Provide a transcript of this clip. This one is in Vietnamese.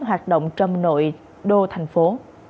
hoạt động trong nội đô thành phố